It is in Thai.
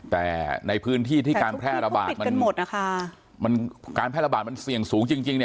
แต่ในพื้นที่ที่การแพร่ระบาดมันการแพร่ระบาดมันเสี่ยงสูงจริง